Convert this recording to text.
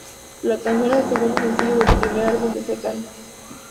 La canción es el segundo sencillo del primer álbum de C-Kan.